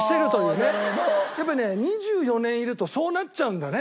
やっぱりね２４年いるとそうなっちゃうんだね。